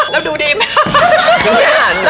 เราดูดีไหม